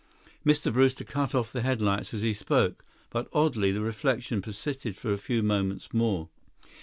Mr. Brewster cut off the headlights as he spoke, but oddly, the reflection persisted for a few moments more.